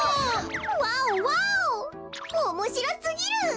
おもしろすぎる！